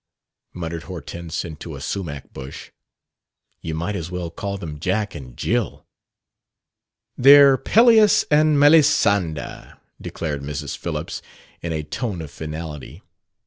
muttered Hortense into a sumach bush. "You might as well call them Jack and Jill!" "They're Pelleas and Melisande," declared Mrs. Phillips, in a tone of finality.